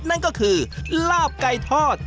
นั่นก็คือลาบไก่ทอด